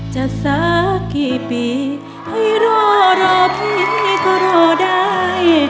จะซากกี่ปีให้รอรอเพียงนี้ก็รอได้